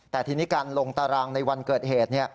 แต่ทีนี้การลงตารางในวันเกิดเหตุ